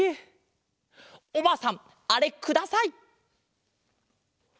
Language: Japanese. おばあさんあれください！